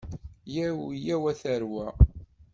Yyaw yyaw a tarwa.